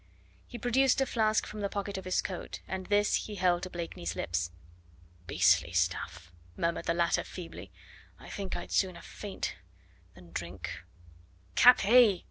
He produced a flask from the pocket of his coat, and this he held to Blakeney's lips. "Beastly stuff," murmured the latter feebly. "I think I'd sooner faint than drink." "Capet?